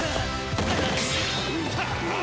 うわーっ！